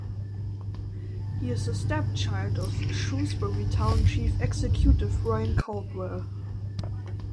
He is the stepchild of Shrewsbury Town chief executive Brian Caldwell.